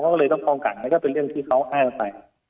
เขาก็เลยต้องป้องกันแล้วก็เป็นเรื่องที่เขาให้เราไป